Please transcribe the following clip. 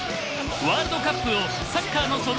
ワールドカップを「サッカーの園」